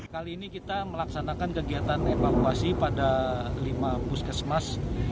kali ini kita melaksanakan kegiatan evakuasi pada lima puskesmas